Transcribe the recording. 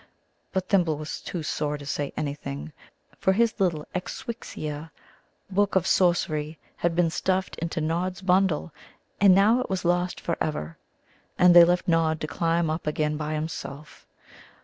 But Thimble was too sore to say anything, for his little Exxswixxia book of sorcery had been stuffed into Nod's bundle, and now it was lost for ever. And they left Nod to climb up again by himself.